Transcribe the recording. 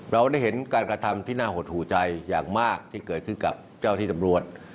เราได้เห็นการกระทำที่น่าหดหูใจอย่างมากที่เกิดขึ้นกับเจ้าที่ตำรวจ